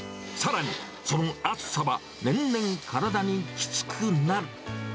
さらに、そのあつさは年々体にきつくなる。